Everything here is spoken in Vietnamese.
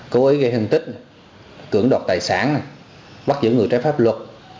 cố ý gây hình tích cưỡng đoạt tài sản bắt giữ người trái pháp luật